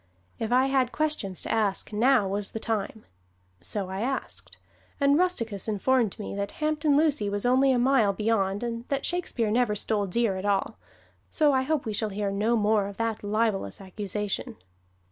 If I had questions to ask, now was the time! So I asked, and Rusticus informed me that Hampton Lucy was only a mile beyond and that Shakespeare never stole deer at all; so I hope we shall hear no more of that libelous accusation.